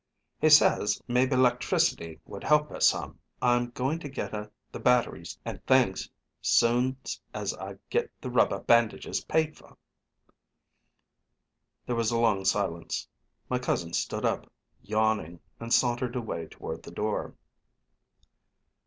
"He says maybe 'lectricity would help her some. I'm goin' to git her the batteries and things soon's I git the rubber bandages paid for." There was a long silence. My cousin stood up, yawning, and sauntered away toward the door.